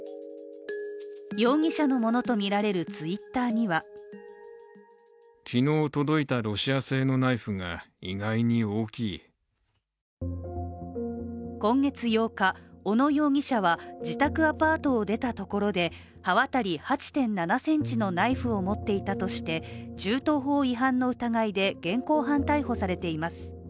容疑者のものとみられるＴｗｉｔｔｅｒには今月８日、小野容疑者は自宅アパートを出たところで刃渡り８．７ｃｍのナイフを持っていたとして銃刀法違反の疑いで現行犯逮捕されています。